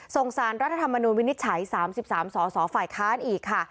สารรัฐธรรมนูญวินิจฉัย๓๓สสฝ่ายค้านอีกค่ะ